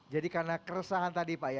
jadi karena keresahan tadi pak ya